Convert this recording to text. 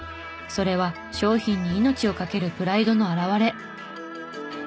それは商品に命を懸けるプライドの表れ。